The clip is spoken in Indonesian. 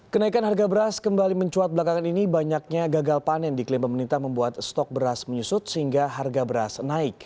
kenaikan harga beras kembali mencuat belakangan ini banyaknya gagal panen diklaim pemerintah membuat stok beras menyusut sehingga harga beras naik